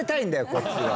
こっちは。